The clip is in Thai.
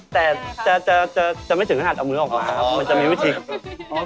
แต่จะไม่ถึงข้างหลัดเอามือออกมามันจะมีวิธีกิจ